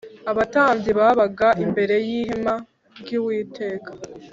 abatambyi babaga imbere y ihema ry Uwiteka